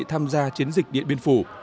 tham gia chiến dịch điện biên phủ